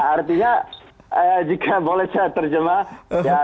artinya jika boleh saya terjemah